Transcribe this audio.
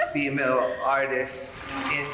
เพราะว่าคุยไม่ได้แล้วตื่นเต้น